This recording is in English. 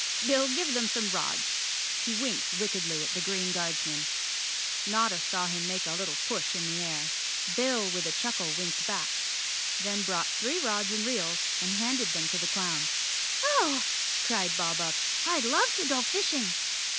Bill, give them some rods." He winked wickedly at the green guardsman. Notta saw Jfim make a little push in the air. Bill with a chuckle • 141 The Cowardly Lion of Oz winked back; then brought three rods and reels and handed them to the clown. "Oh!" cried Bob Up, "I'd love to go fishing!"